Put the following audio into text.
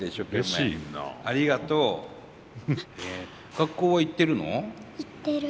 学校は行ってるの？